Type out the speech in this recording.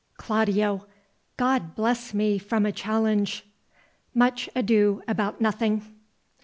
Claudio. God bless me from a challenge. MUCH ADO ABOUT NOTHING.